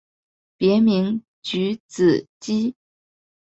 别名是菊子姬。